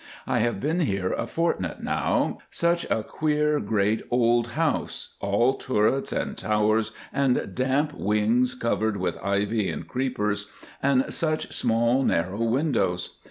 I have been here a fortnight now—such a queer, great old house, all turrets and towers, and damp wings covered with ivy and creepers, and such small, narrow windows.